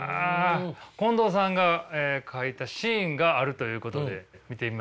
近藤さんが描いたシーンがあるということで見てみましょうか。